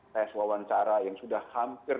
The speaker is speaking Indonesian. tes wawancara yang sudah hampir